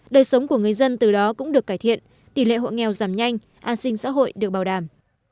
đời sống của người dân từ đó cũng được cải thiện tỷ lệ hộ nghèo giảm nhanh an sinh xã hội được bảo đảm